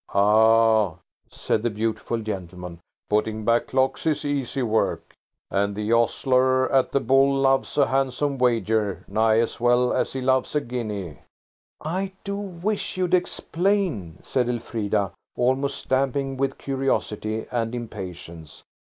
"Ah," said the beautiful gentleman, "putting back clocks is easy work. And the ostler at the 'Bull' loves a handsome wager nigh as well as he loves a guinea." "I do wish you'd explain," said Elfrida, almost stamping with curiosity and impatience.